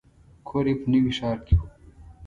کور یې په نوي ښار کې و.